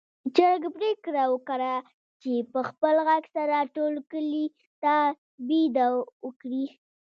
چرګ پرېکړه وکړه چې په خپل غږ سره ټول کلي ته بېده وکړي.